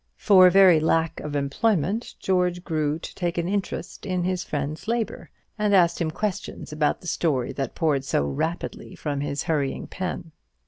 For very lack of employment, George grew to take an interest in his friend's labour, and asked him questions about the story that poured so rapidly from his hurrying pen.